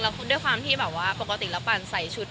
และด้วยความที่ปกติระปันใส่ชุด